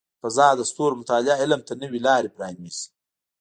د فضاء د ستورو مطالعه علم ته نوې لارې پرانیزي.